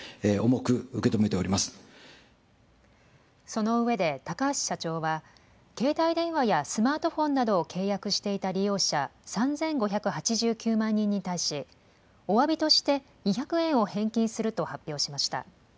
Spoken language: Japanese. その上で、高橋社長は、携帯電話やスマートフォンなどを契約してした利用者３５８９万人に対し、おわびとして２００円を返金すると発表しました。